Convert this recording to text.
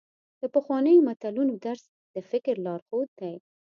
د پخوانیو متلونو درس د فکر لارښود دی.